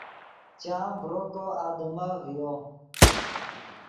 چام ڤرو کو آدمف ڤیو